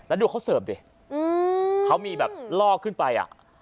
แล้วดูเขาเสิร์ฟดิเขามีแบบลอกขึ้นไปอ่ะ